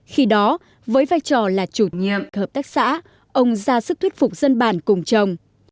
khi đó với vai trò là chủ nhiệm hợp tác xã ông ra sức thuyết phục dân bàn cùng chồng